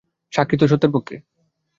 সাক্ষী তো সত্যের পক্ষে!